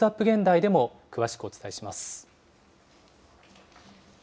現代でも、詳しくお伝えします。